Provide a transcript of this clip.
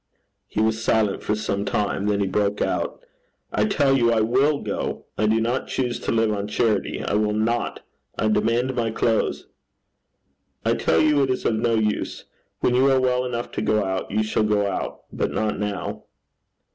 He was silent for some time. Then he broke out, 'I tell you I will go. I do not choose to live on charity. I will not. I demand my clothes.' 'I tell you it is of no use. When you are well enough to go out you shall go out, but not now.'